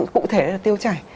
cụ thể là tiêu chảy